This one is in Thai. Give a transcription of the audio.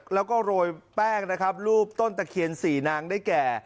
แล้วก็โรยแป้งนะครับรูปต้นตะเคียนสี่นางได้แก่